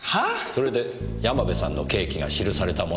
それで山部さんの刑期が記されたものを見た。